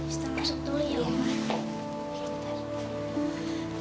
sita masuk dulu ya ma